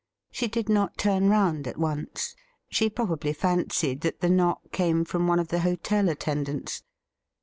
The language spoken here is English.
She did not turn round at once. She probably fancied that the knock came from one of the hotel attendants.